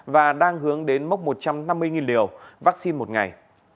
và đang hướng đến mốc một trăm năm mươi liều vaccine một ngày